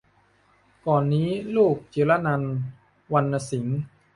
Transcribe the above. ก่อนนี้ ลูกจิรนันท์ วรรณสิงห์